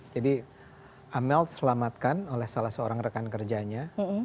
jadi amel selamatkan oleh salah seorang rekan kerjanya